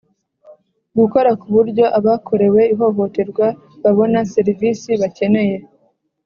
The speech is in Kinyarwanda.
Gukora ku buryo abakorewe ihohoterwa babona serivisi bakeneye.